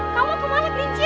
kamu mau kemana kelinci